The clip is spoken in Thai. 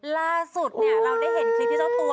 ล่าสุดเนี่ยเราได้เห็นคลิปที่เจ้าตัว